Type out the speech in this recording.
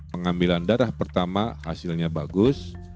pengambilan darah pertama hasilnya bagus